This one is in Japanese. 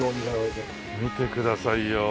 見てくださいよ。